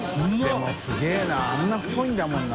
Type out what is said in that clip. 任すげぇなあんな太いんだもんな。